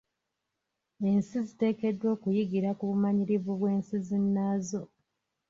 Ensi ziteekeddwa okuyigira ku bumanyirivu bw'ensi zinnaazo.